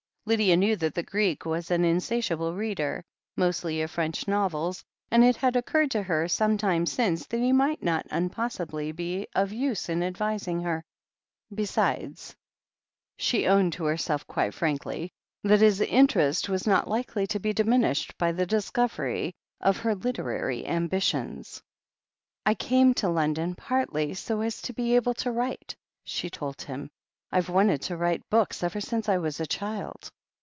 Lydia knew that the Greek was an insatiable reader, mostly of French novels, and it had occurred to her some time since that he might not unpossibly be of use in advising her. Besides, she owned to herself quite frankly, that his interest in her was not likely to be diminished by the discovery of her literary ambitions. "I came to London partly so as to be able to write," she told him. "I have wanted to write books ever since I was a child."